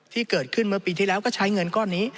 ที่เกิดขึ้นเมื่อปีที่แล้วก็ใช้เงินก้อนนี้